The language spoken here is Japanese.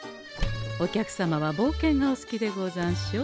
お客様はぼうけんがお好きでござんしょ？